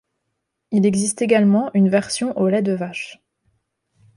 Il existe également une version au lait de vache.